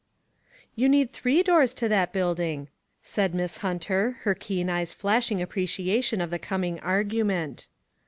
"You need three doors to that building," said Miss Hunter, her keen eyes flashing appreciation of the coming argument.